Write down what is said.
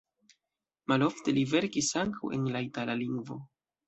Malofte li verkis ankaŭ en la itala lingvo.